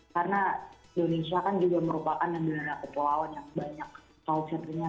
karena indonesia kan juga merupakan negara kepulauan yang banyak culture nya